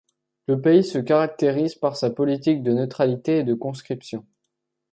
Le pays se caractérise par sa politique de neutralité et de conscription.